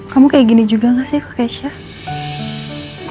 kamu kayak gini juga gak sih ke keisha